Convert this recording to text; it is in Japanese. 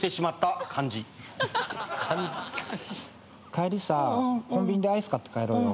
帰りさコンビニでアイス買って帰ろうよ。